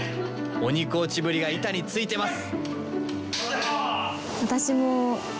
鬼コーチぶりが板についてます！